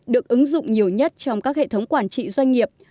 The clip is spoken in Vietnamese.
được ứng dụng nhiều nhất trong các hệ thống quản trị doanh nghiệp